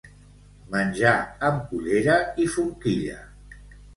Menjar amb cullera i forquilla.